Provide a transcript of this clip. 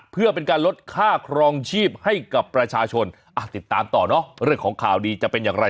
เพื่อเป็นการลดค่าครองชีพให้กับประชาชนติดตามต่อเนอะเรื่องของข่าวดีจะเป็นอย่างไร